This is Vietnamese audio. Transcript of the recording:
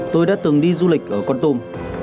tôi đã từng đi du lịch ở con tôm